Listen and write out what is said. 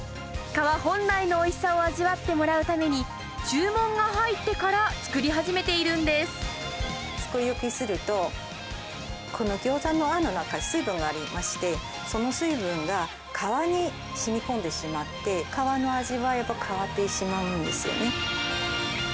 皮本来のおいしさを味わってもらうために、注文が入ってから作り作り置きすると、このギョーザのあんの中、水分がありまして、その水分が皮にしみこんでしまって、皮の味わいが変わってしまうんですよね。